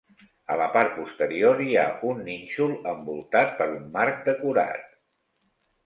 A la part posterior hi ha un nínxol envoltat per un marc decorat.